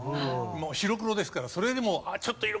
白黒ですからそれでも。